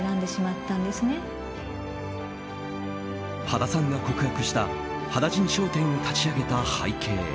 羽田さんが告白した羽田甚商店を立ち上げた背景。